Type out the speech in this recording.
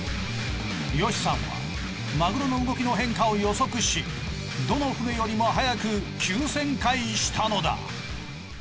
ヨシさんはマグロの動きの変化を予測しどの船よりも早く急旋回したのだ。